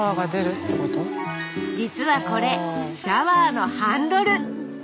実はこれシャワーのハンドル。